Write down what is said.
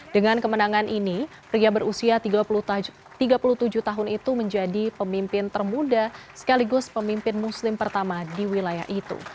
dengan kemenangan ini pria berusia tiga puluh tujuh tahun itu menjadi pemimpin termuda sekaligus pemimpin muslim pertama di wilayah itu